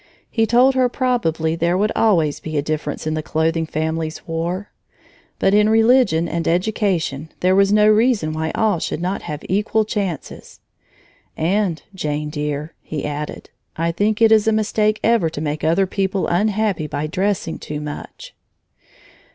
He told her probably there would always be a difference in the clothing families wore, but in religion and education there was no reason why all should not have equal chances. "And, Jane dear," he added, "I think it is a mistake ever to make other people unhappy by dressing too much."